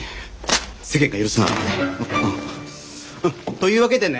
というわけでね